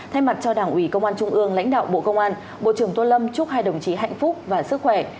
thay mặt cho đảng ủy công an trung ương lãnh đạo bộ công an bộ trưởng tô lâm chúc hai đồng chí hạnh phúc và sức khỏe